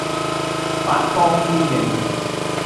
八方呼應